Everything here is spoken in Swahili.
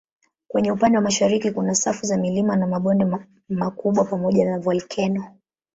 Kwenye upande wa mashariki kuna safu za milima na mabonde makubwa pamoja na volkeno.